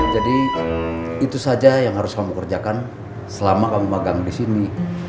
jadi itu saja yang harus kamu kerjakan selama kamu magang disini